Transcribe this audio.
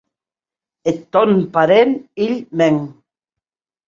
Eth tòn parent, hilh mèn.